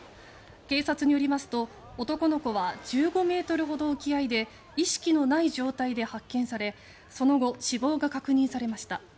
警察によりますと男の子は１５ｍほど沖合で意識のない状態で発見されその後、死亡が確認されました。